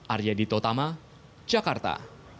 arya dito tama jakarta